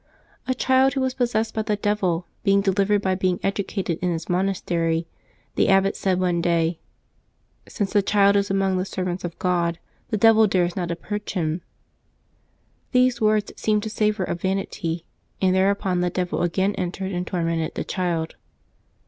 A child who was possessed by the devil, being delivered by being educated in his mon astery, the abbot said one day :" Since the child is among the servants of God, the devil dares not approach him." These words seemed to savor of vanity, and thereupon the devil again entered and tormented the child.